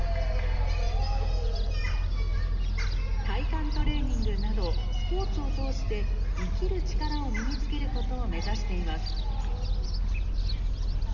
体幹トレーニングなど、スポーツを通して、生きる力を身につけることを目指しています。